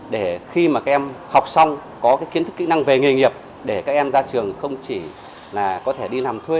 để khi mà các em học xong có cái kiến thức kỹ năng về nghề nghiệp để các em ra trường không chỉ là có thể đi làm thuê